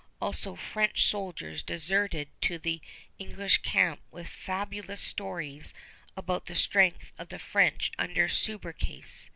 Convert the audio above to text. Also French soldiers deserted to the English camp with fabulous stories about the strength of the French under Subercase.